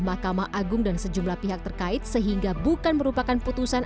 mahkamah agung dan sejumlah pihak terkait sehingga bukan merupakan putusan